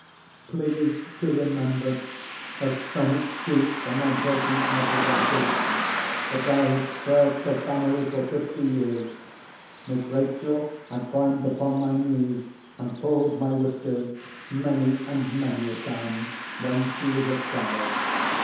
Please to remember, as some excuse for my breaking out as I did, that I had served the family for fifty years. Miss Rachel had climbed upon my knees, and pulled my whiskers, many and many a time when she was a child.